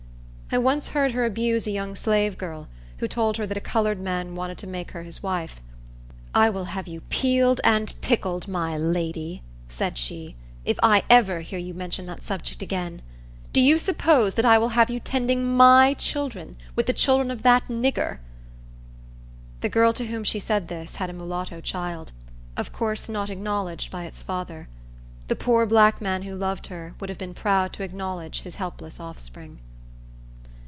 I once heard her abuse a young slave girl, who told her that a colored man wanted to make her his wife. "I will have you peeled and pickled, my lady," said she, "if I ever hear you mention that subject again. Do you suppose that I will have you tending my children with the children of that nigger?" The girl to whom she said this had a mulatto child, of course not acknowledged by its father. The poor black man who loved her would have been proud to acknowledge his helpless offspring.